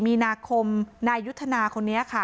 มีนาคมนายยุทธนาคนนี้ค่ะ